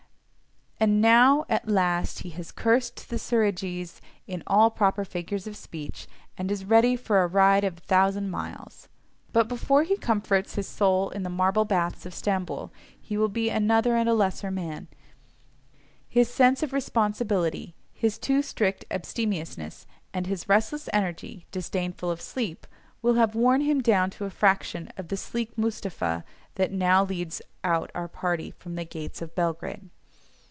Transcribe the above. And now at last he has cursed the Suridgees in all proper figures of speech, and is ready for a ride of a thousand miles; but before he comforts his soul in the marble baths of Stamboul he will be another and a lesser man; his sense of responsibility, his too strict abstemiousness, and his restless energy, disdainful of sleep, will have worn him down to a fraction of the sleek Moostapha that now leads out our party from the gates of Belgrade.